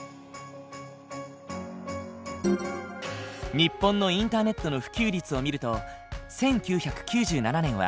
日本のインターネットの普及率を見ると１９９７年は９．２％だった。